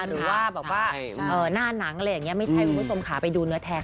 หรือว่าแบบว่าหน้านังอะไรแบบนี้ไม่ใช่วิวสมขาไปดูเนื้อแทก